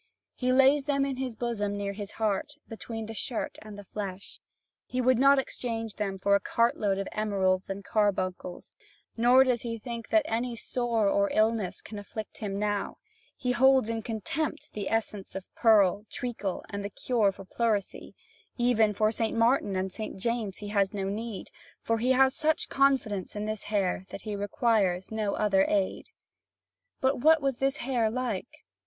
He lays them in his bosom near his heart, between the shirt and the flesh. He would not exchange them for a cartload of emeralds and carbuncles, nor does he think that any sore or illness can afflict him now; he holds in contempt essence of pearl, treacle, and the cure for pleurisy; even for St. Martin and St. James he has no need; for he has such confidence in this hair that he requires no other aid. But what was this hair like?